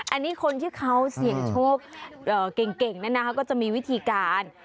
อันนี้คนที่เขาเสี่ยงโชคเก่งนั่นนะคะก็จะมีวิธีการ